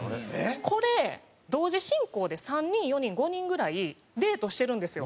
これ同時進行で３人４人５人ぐらいデートしてるんですよ。